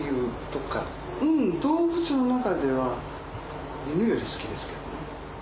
うん動物の中では犬より好きですけどね。